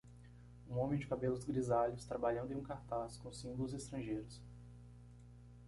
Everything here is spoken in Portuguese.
Um homem de cabelos grisalhos, trabalhando em um cartaz com símbolos estrangeiros.